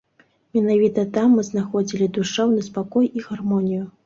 Менавіта там мы знаходзілі душэўны спакой і гармонію.